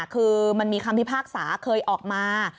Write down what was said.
คือมันมีคำพิพากษาเคยออกมา